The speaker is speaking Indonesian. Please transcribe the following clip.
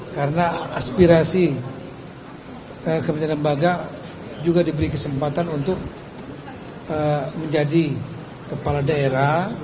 karena aspirasi kementerian lembaga juga diberi kesempatan untuk menjadi kepala daerah